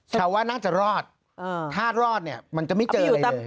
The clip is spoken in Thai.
ชาวว่าน่าจะรอดถ้ารอดเนี่ยมันจะไม่เจออะไรเลย